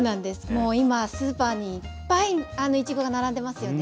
もう今スーパーにいっぱいいちごが並んでますよね。